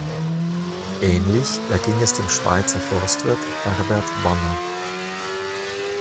Ähnlich erging es dem Schweizer Forstwirt Herbert Wanner.